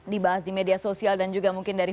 dibahas di media sosial dan juga mungkin dari